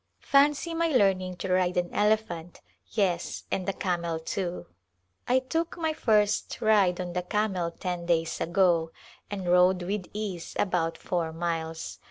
Fancy my learning to ride an elephant, yes, and a camel, too. I took my first ride on the camel ten Call to Rajputa7ia days ago and rode with ease about four miles.